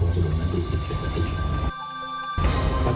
โรงจมูกมันไม่ได้ผิดปกตินะครับ